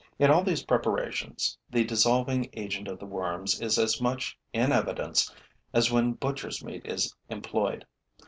In all these preparations, the dissolving agent of the worms is as much in evidence as when butcher's meat is employed.